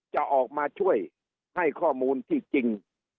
จะออกมาช่วยให้ข้อมูลที่จริง